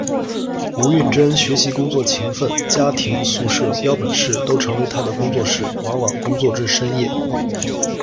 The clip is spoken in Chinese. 吴韫珍学习工作勤奋，家庭、宿舍，标本室都成为他的工作室，往往工作至深夜。